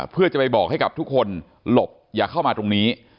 เพื่อจะไปบอกให้กับทุกคนหลบอย่าเข้ามาตรงนี้